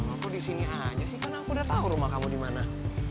aku disini aja sih kan aku udah tau rumah kamu dimana